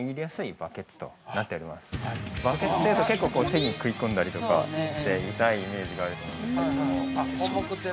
バケツといえば、結構手に食い込んだりとかして痛いイメージがあると思うんですけれども。